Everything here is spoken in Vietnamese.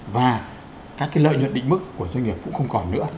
và các lợi nhuận định mức của doanh nghiệp cũng không còn nữa